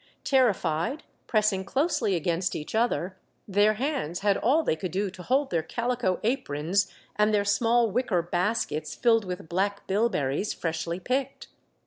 Terrified, pressing closely against each other, their hands had all they could do to hold their calico aprons and their small wicker baskets filled with black bilberries freshly picked.